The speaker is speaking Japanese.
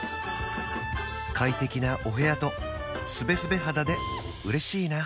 快適なお部屋とスベスベ肌でうれしいなぁ